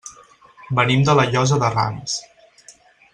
Venim de la Llosa de Ranes.